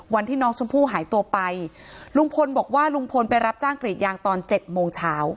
วันที่น้องชมพู่หายตัวไปลุงพลบอกว่าลุงพลไปรับจ้างกรีดยางตอน๗โมงเช้า